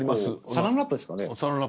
サランラップですかね。